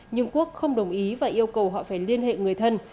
nhưng quốc không đồng ý và yêu cầu họ phải liên hệ người thân